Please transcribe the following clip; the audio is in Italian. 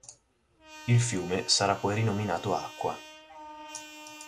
Il fiume sarà poi rinominato Aqua.